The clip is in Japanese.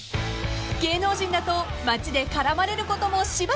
［芸能人だと街で絡まれることもしばしば］